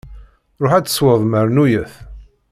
Ṛuḥ ad tesweḍ mernuyet!